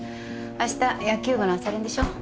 あした野球部の朝練でしょ。